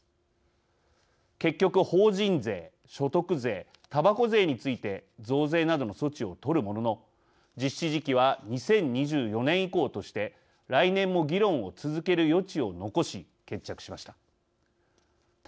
結局法人税所得税たばこ税について増税などの措置を取るものの実施時期は２０２４年以降として来年も議論を続ける余地を残し決着しました。